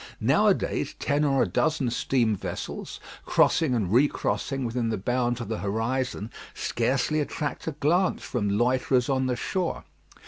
Now a days, ten or a dozen steam vessels, crossing and recrossing within the bounds of the horizon, scarcely attract a glance from loiterers on the shore.